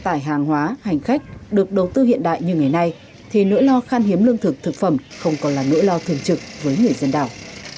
tài hàng hóa hành khách được đầu tư hiện đại như ngày nay thì nỗi lo khan hiếm lương thực thực phẩm không còn là nỗi lo thường trực với người dân đảo